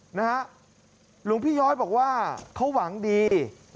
หลวงพี่ย้อยบอกว่าเขาหวังดี